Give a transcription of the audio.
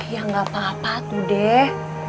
ya gak apa apa tuh deh